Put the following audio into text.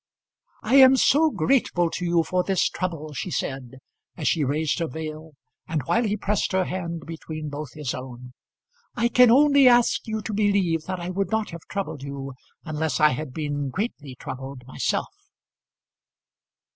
"I am so grateful to you for this trouble," she said, as she raised her veil, and while he pressed her hand between both his own. "I can only ask you to believe that I would not have troubled you unless I had been greatly troubled myself."